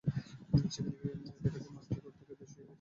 সেখানে গিয়ে দেখা যায়, মাঠটির অর্ধেকেরও বেশি জমিতে হয়েছে ঘাসের আবাদ।